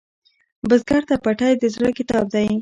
بزګر ته پټی د زړۀ کتاب دی